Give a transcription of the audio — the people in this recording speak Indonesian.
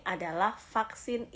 adalah vaksin covid sembilan belas